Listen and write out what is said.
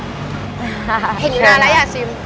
เห็นนานแล้วอยากชิม